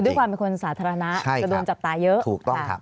คือด้วยความเป็นคนสาธารณะจะโดนจับตาเยอะ